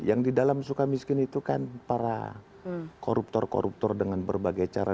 yang di dalam suka miskin itu kan para koruptor koruptor dengan berbagai cara